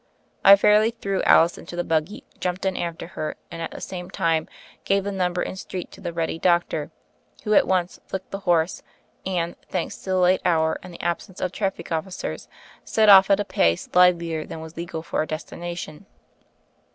I fairly threw THE FAIRY OF THE SNOWS 85 Alice into the buggy, jumped in after her, and at the same time, gave the number and street to the ready doctor, who at once flicked the horse and, thanks to the late hour and the absence of traffic officers, set off at a pace livelier than was legal for our destination.